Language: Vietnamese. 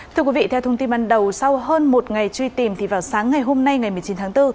thưa quý vị theo thông tin ban đầu sau hơn một ngày truy tìm thì vào sáng ngày hôm nay ngày một mươi chín tháng bốn